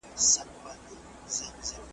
یوه وعده وه په اول کي مي در وسپارله .